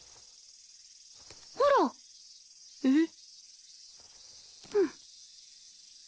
ほら。えっ。